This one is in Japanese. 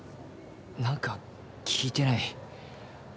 何か聞いてない？